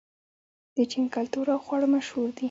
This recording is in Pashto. د چین کلتور او خواړه مشهور دي.